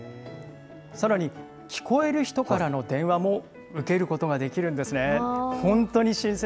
さらに、聞こえる人からの電話も受けることができるんですね。